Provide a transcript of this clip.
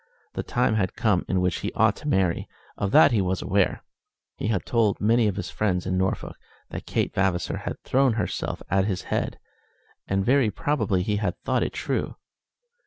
The time had come in which he ought to marry; of that he was aware. He had told many of his friends in Norfolk that Kate Vavasor had thrown herself at his head, and very probably he had thought it true.